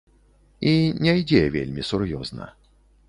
І не ідзе вельмі сур'ёзна.